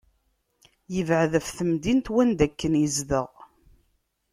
Yebεed ɣef temdint wanda akken yezdeɣ.